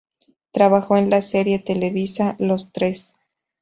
Trabajó en la serie televisiva "Los Tres".